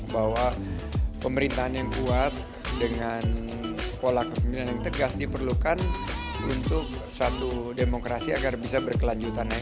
bahwa pemerintahan yang kuat dengan pola kepemimpinan yang tegas diperlukan untuk satu demokrasi agar bisa berkelanjutannya